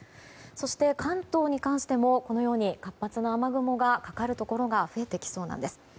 そして、関東に関しても活発な雨雲がかかるところが増えてきそうなんです。